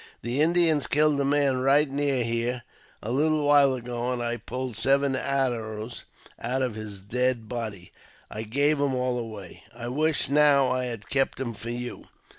The Indians killed a man right near here a little while ago, and I pulled seven arrows out of his dead 14 PREFACE TO TEE body. I gave 'em all away. I wish now I had kept 'em for you.''